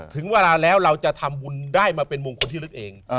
ถึงเวลาแล้วเราจะทำบุญได้มาเป็นมงคลที่ลึกเอง